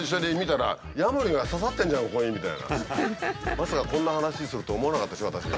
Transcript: まさかこんな話すると思わなかったでしょう私が。